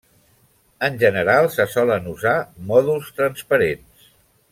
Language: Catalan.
En general, se solen usar mòduls transparents.